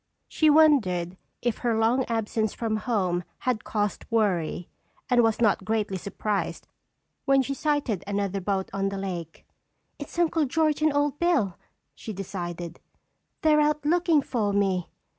She wondered if her long absence from home had caused worry and was not greatly surprised when she sighted another boat on the lake. "It's Uncle George and Old Bill," she decided. "They're out looking for me."